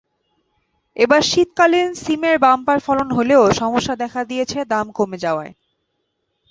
এবার শীতকালীন শিমের বাম্পার ফলন হলেও সমস্যা দেখা দিয়েছে দাম কমে যাওয়ায়।